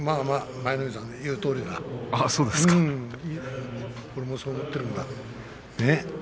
舞の海さんの言うとおりだ俺もそう思っておるんだ。